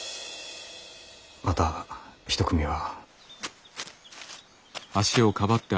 また一組は。